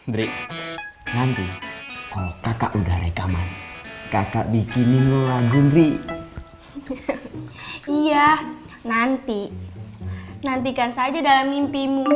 beri nanti kalau kakak udah rekaman kakak bikinin lula gundri iya nanti nantikan saja dalam mimpimu